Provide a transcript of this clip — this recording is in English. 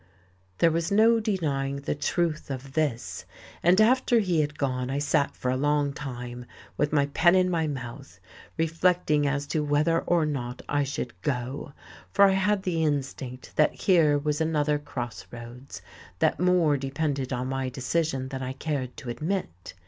There was no denying the truth of this, and after he had gone I sat for a long time with my pen in my mouth, reflecting as to whether or not I should go. For I had the instinct that here was another cross roads, that more depended on my decision than I cared to admit.